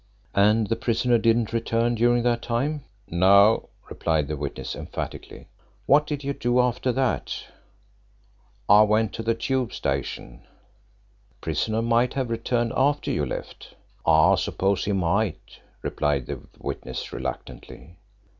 "And the prisoner didn't return during that time?" "No," replied the witness emphatically. "What did you do after that?" "I went to the Tube station." "Prisoner might have returned after you left?" "I suppose he might," replied the witness reluctantly.